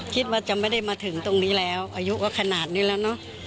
คิดว่าจะไม่ได้มาถึงตรงนี้แล้วอายุก็ขนาดนี้แล้วเนอะ